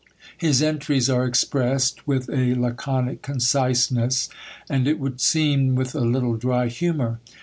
His entries are expressed with a laconic conciseness, and it would seem with a little dry humour.